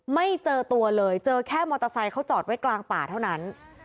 ไม่เจอตัวเลยเจอแค่มอเตอร์ไซค์เขาจอดไว้กลางป่าเท่านั้น